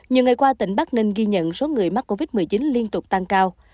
nhiều ngày qua tỉnh bắc ninh ghi nhận số người mắc covid một mươi chín liên tục tăng cao